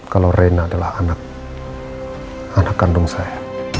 kalau rena adalah anak kandung saya